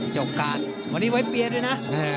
จบการวันนี้ไว้เปลี่ยนด้วยนะ